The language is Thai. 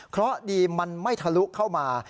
เพราะดีมันไม่ทะลุเข้ามา